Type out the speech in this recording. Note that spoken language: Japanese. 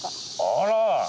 あら！